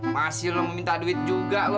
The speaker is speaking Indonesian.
masih lo mau minta duit juga lo